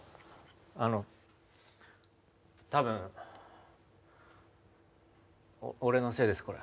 あのあの多分俺のせいです